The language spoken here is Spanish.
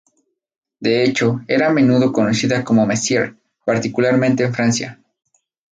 De hecho, era a menudo conocida como Messier, particularmente en Francia.